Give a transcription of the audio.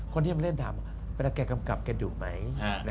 คนที่มาเล่นถามเวลาแกกำกับแกดุไหม